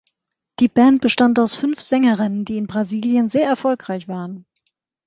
Die Band bestand aus fünf Sängerinnen, die in Brasilien sehr erfolgreich waren.